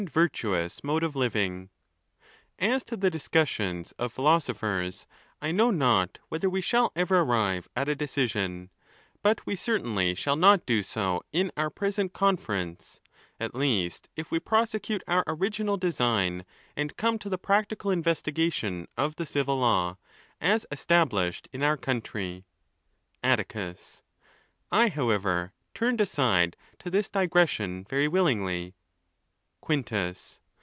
virtuous mode of living. As to the discussions of philoso phers, I know not whether we shall ever arrive at a decision, but we certainly shall not do so in our present conference, at least, if we prosecute our original design, and come to the practical investigation of the civil law, as established in our country. XXII. Atticus.—I, however, turned aside to this digression. very willingly. Quintus.